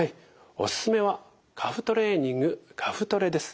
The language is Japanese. おすすめはカフ・トレーニングカフトレです。